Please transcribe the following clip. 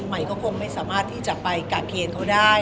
ใหม่ก็คงไม่สามารถที่จะไปกะเคนเขาได้